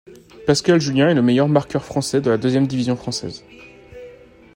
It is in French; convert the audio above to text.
Pascal Jullien est le meilleur marqueur français de la deuxième division française.